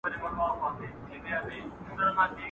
د بل کټ تر نيمو شپو دئ.